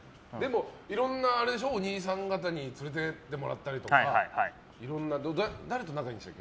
いろんなお兄さん方に連れて行ってもらったりとか誰と仲いいんでしたっけ？